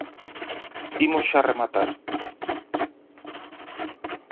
Imos xa rematar.